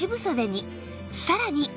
さらに